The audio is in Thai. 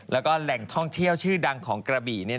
แล้วก็แหล่งท่องเที่ยวชื่อดังของกระบี่